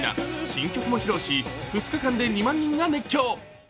新曲も披露し２日間で２万人が熱狂。